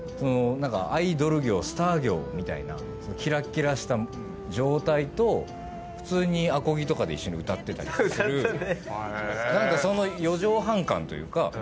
アイドル業スター業みたいなキラッキラした状態と普通にアコギとかで一緒に歌ってたりする何か。